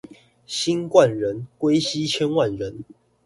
新冠人，歸西千萬人